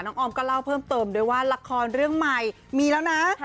ออมก็เล่าเพิ่มเติมด้วยว่าละครเรื่องใหม่มีแล้วนะ